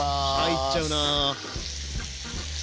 入っちゃうな。